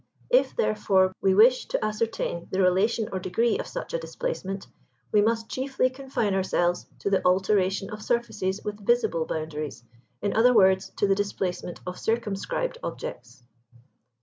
If, therefore, [Pg 79] we wish to ascertain the relation or degree of such a displacement, we must chiefly confine ourselves to the alteration of surfaces with visible boundaries; in other words, to the displacement of circumscribed objects.